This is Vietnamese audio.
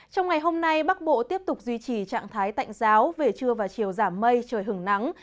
trong ngày hôm nay bắc bộ tiếp tục duy trì trạng thái tạnh giáo về trưa và chiều giảm mây trời hứng nắng